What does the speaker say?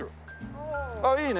おお！あっいいね。